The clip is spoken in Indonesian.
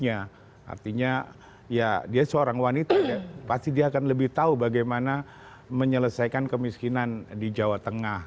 artinya ya dia seorang wanita pasti dia akan lebih tahu bagaimana menyelesaikan kemiskinan di jawa tengah